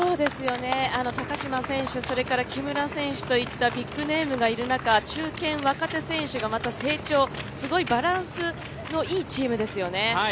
高島選手、木村選手といったビッグネームがいる中、中堅、若手選手が成長、すごいバランスのいいチームですよね。